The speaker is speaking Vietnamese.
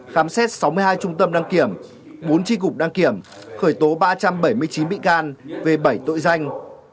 khám xét sáu mươi hai trung tâm đăng kiểm bốn tri cục đăng kiểm khởi tố ba trăm bảy mươi chín bị can về bảy tội danh